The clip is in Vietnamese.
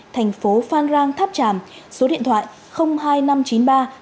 thành phố phan rang tháp tràm số điện thoại hai nghìn năm trăm chín mươi ba tám trăm hai mươi bốn ba trăm hai mươi bốn